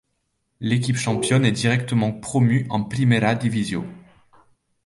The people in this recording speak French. L'équipe championne est directement promue en Primera Divisió.